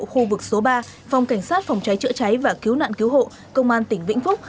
khu vực số ba phòng cảnh sát phòng cháy chữa cháy và cứu nạn cứu hộ công an tỉnh vĩnh phúc